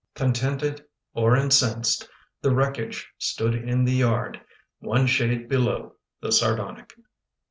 Contented or incensed, The wreckage stood in the yard, One shade below the sardonic.